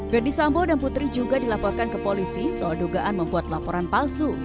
verdi sambo dan putri juga dilaporkan ke polisi soal dugaan membuat laporan palsu